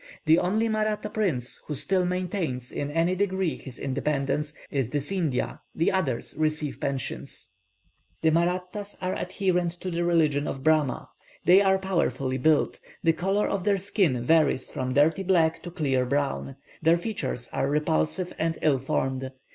The only Mahratta prince who still maintains, in any degree, his independence, is the Scindiah; the others receive pensions. The Mahrattas are adherent to the religion of Brahma. They are powerfully built; the colour of their skin varies from dirty black to clear brown; their features are repulsive and ill formed.